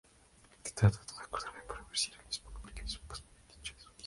Estos compuestos endógenos indican el estado de daño de la planta.